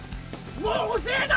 もう遅えだ！